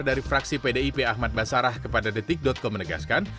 dari fraksi pdip ahmad basarah kepada detik com menegaskan